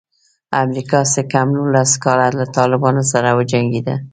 امریکا څه کم نولس کاله له طالبانو سره وجنګېده.